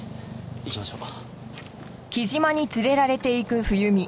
行きましょう。